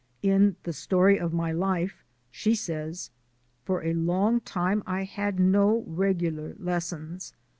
In "The Story of My Life," she says: " For a long time I had no regular lessons.